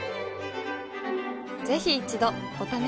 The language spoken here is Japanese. ぜひ一度お試しを。